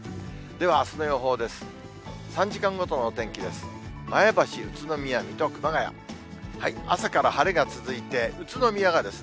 では、あすの予報です。